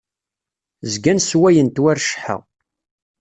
Zgan sswayen-t war cceḥḥa.